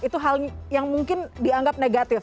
itu hal yang mungkin dianggap negatif